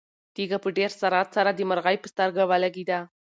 تیږه په ډېر سرعت سره د مرغۍ په سترګه ولګېده.